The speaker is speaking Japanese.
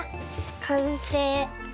かんせい。